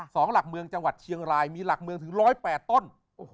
สองหลักเมืองจังหวัดเชียงรายมีหลักเมืองถึงร้อยแปดต้น